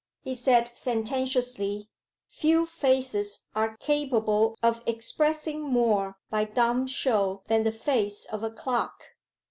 He said sententiously, 'Few faces are capable of expressing more by dumb show than the face of a clock.